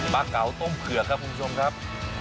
เก๋าต้มเผือกครับคุณผู้ชมครับ